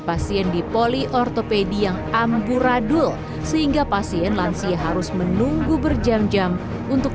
pasien di poliortopedi yang amburadul sehingga pasien lansia harus menunggu berjam jam untuk